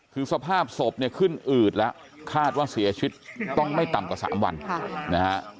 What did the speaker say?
คือสภาพศพเนี่ยขึ้นอืดแล้วคาดว่าเสียชีวิตต้องไม่ต่ำกว่า๓วันนะฮะ